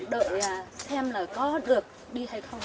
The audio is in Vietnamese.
đợi xem là có được đi hay không